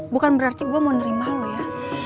bukan berarti gue mau nerima lu ya